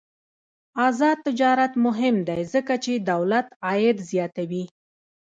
آزاد تجارت مهم دی ځکه چې دولت عاید زیاتوي.